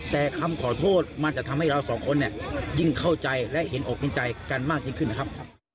แต่คำขอโทษมันจะทำให้เราสองคนเนี่ยยิ่งเข้าใจและเห็นอกเห็นใจกันมากยิ่งขึ้นนะครับ